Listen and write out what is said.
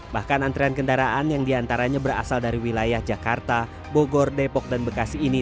bahkan antrian kendaraan yang diantaranya berasal dari wilayah jakarta bogor depok dan bekasi ini